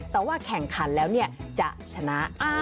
แต่ว่าแข่งขันแล้วจะชนะ